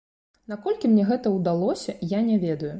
Наколькі мне гэта ўдалося, я не ведаю.